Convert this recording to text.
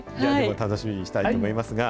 楽しみにしたいと思いますが。